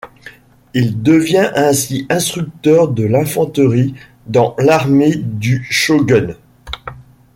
Il devient ainsi instructeur de l'infanterie dans l'armée du shogun.